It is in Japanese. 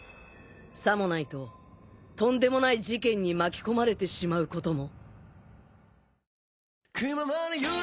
さもないととんでもない事件に巻き込まれてしまうことも。